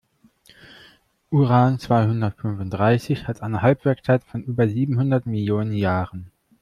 Uran-zweihundertfünfunddreißig hat eine Halbwertszeit von über siebenhundert Millionen Jahren.